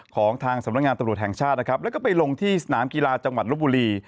ของทางสำนักงานตำรวจแห่งชาตินะครับแล้วก็ไปลงที่สนามกีฬาจังหวัดลบบุรี